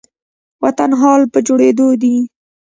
وطن حال په جوړيدو دي